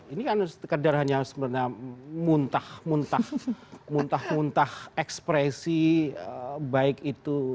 ini kan sekedar hanya sebenarnya muntah muntah muntah muntah ekspresi baik itu